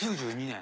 ９２年？